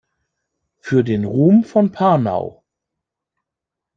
Für den Ruhm von Panau!